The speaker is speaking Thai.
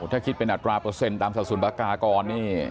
ถ้าคิดเป็นอัตราเปอร์เซ็นต์ตามสถานศูนย์ประกาศก่อนนี่